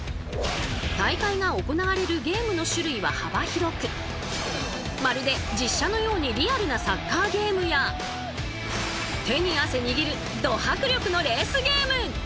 大会が行われるゲームの種類は幅広くまるで実写のようにリアルなサッカーゲームや手に汗握るド迫力のレースゲーム。